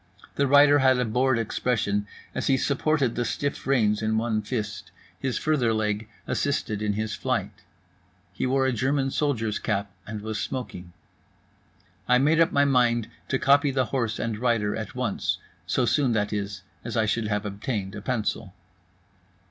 The rider had a bored expression as he supported the stiff reins in one fist. His further leg assisted in his flight. He wore a German soldier's cap and was smoking. I made up my mind to copy the horse and rider at once, so soon, that is, as I should have obtained a pencil.